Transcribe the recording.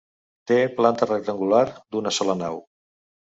Té planta rectangular, d'una sola nau.